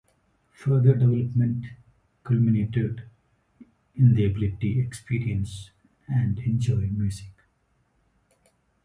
Further development culminated in the ability to experience and enjoy music.